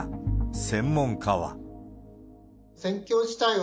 専門家は。